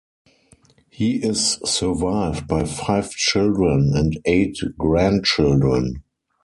He is survived by five children and eight grandchildren.